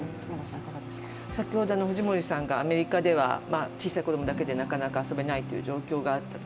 先ほどの藤森さんがアメリカでは小さい子供だけで遊べない状況があったと。